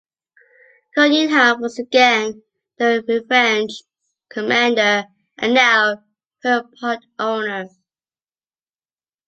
Conyngham was again the "Revenge"s commander and, now, her part-owner.